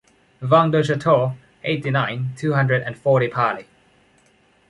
Vigne du Château, eighty-nine, two hundred and forty Parly.